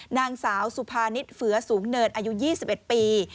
นางสาวสุภานิษฐ์เฟือสูงเนินอายุ๒๑ปี